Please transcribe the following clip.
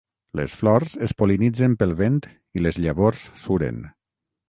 Les flors es pol·linitzen pel vent i les llavors suren.